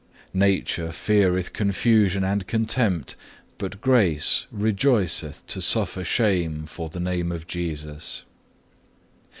6. "Nature feareth confusion and contempt, but Grace rejoiceth to suffer shame for the name of Jesus.